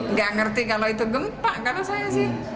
nggak ngerti kalau itu gempa karena saya sih